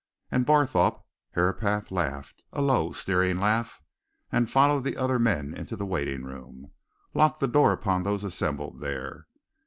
And Barthorpe Herapath laughed a low, sneering laugh and following the other men into the waiting room, locked the door upon those assembled there.